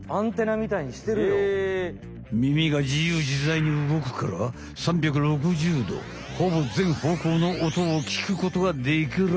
みみがじゆうじざいに動くから３６０どほぼぜんほうこうのおとを聞くことができら。